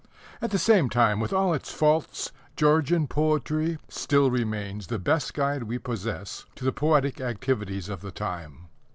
At the same time, with all its faults, Georgian Poetry still remains the best guide we possess to the poetic activities of the time.